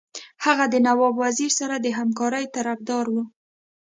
هغه د نواب وزیر سره د همکارۍ طرفدار وو.